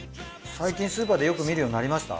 最近スーパーでよく見るようになりました？